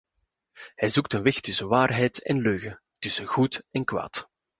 Hij zoekt een weg tussen waarheid en leugen, tussen goed en kwaad.